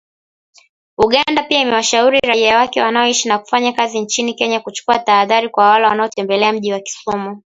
Uganda pia imewashauri raia wake wanaoishi na kufanya kazi nchini Kenya kuchukua tahadhari kwa wale wanaotembelea mji wa Kisumu.